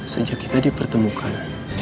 sejak kita dipertemukan